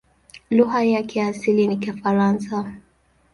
Lugha yake ya asili ni Kifaransa.